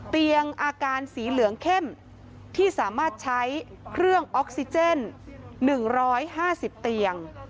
เตียงอาการสีเหลืองเข้มที่สามารถใช้เครื่องออกซิเจน๑๕๐เตียง